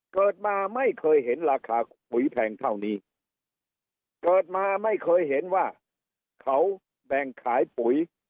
เกิดมาไม่เคยเห็นราคาปุ๋ยแพงเท่านี้เกิดมาไม่เคยเห็นว่าเขาแบ่งขายปุ๋ย